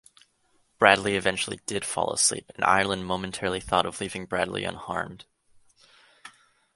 Bradley eventually did fall asleep and Ireland momentarily thought of leaving Bradley unharmed.